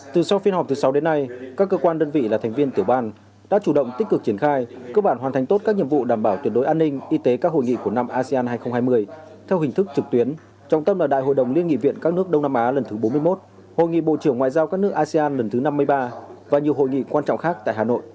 từ sau phiên họp thứ sáu đến nay các cơ quan đơn vị là thành viên tiểu ban đã chủ động tích cực triển khai cơ bản hoàn thành tốt các nhiệm vụ đảm bảo tuyệt đối an ninh y tế các hội nghị của năm asean hai nghìn hai mươi theo hình thức trực tuyến trọng tâm là đại hội đồng liên nghị viện các nước đông nam á lần thứ bốn mươi một hội nghị bộ trưởng ngoại giao các nước asean lần thứ năm mươi ba và nhiều hội nghị quan trọng khác tại hà nội